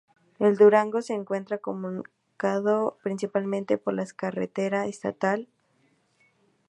El Durango se encuentra comunicado principalmente por la carretera estatal No.